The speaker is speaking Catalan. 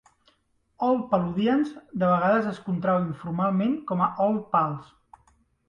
"Old Paludians" de vegades es contrau informalment com a "Old Pals".